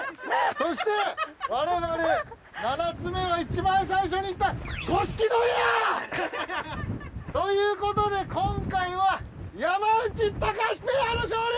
そして我々７つ目は一番最初に行った五色丼や！ということで今回は山内・高橋ペアの勝利！